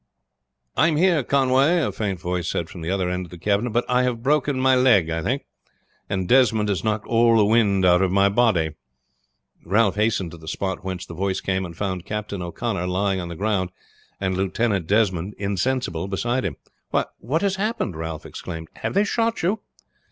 "I am here, Conway," a faint voice said from the other end of the cabin; "but I have broken my leg I think, and Desmond has knocked all the wind out of my body." Ralph hastened to the spot whence the voice came and found Captain O'Connor lying on the ground, and Lieutenant Desmond insensible beside him. "What has happened?" Ralph exclaimed. "Have they shot you?"